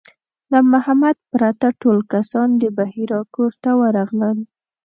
له محمد پرته ټول کسان د بحیرا کور ته ورغلل.